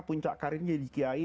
puncak karirnya jadi kiai